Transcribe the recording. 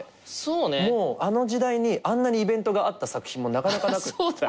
もうあの時代にあんなにイベントがあった作品もなかなか。